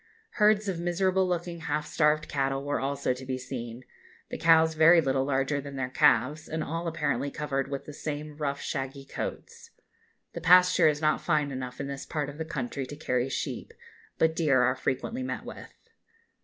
Herds of miserable looking, half starved cattle were also to be seen, the cows very little larger than their calves, and all apparently covered with the same rough shaggy coats. The pasture is not fine enough in this part of the country to carry sheep, but deer are frequently met with.